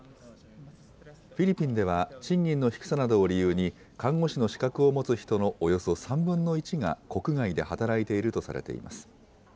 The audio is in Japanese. フィリピンでは賃金の低さなどを理由に、看護師の資格を持つ人のおよそ３分の１が国外で働いているとされています。